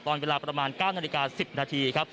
ตอนเวลาประมาณ๙นาฬิกา๑๐นาที